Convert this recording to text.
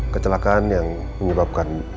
kecelakaan yang menyebabkan